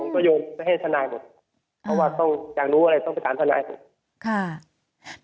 เพราะว่าอยากรู้อะไรต้องตามชะนาย